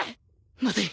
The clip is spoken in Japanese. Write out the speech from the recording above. まずい！